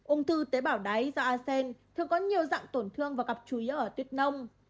ung tư tế bảo đáy do a sen thường có nhiều dạng tổn thương và gặp chú ý ở tuyết nông